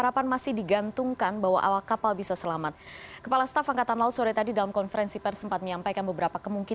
pak wisnu selamat malam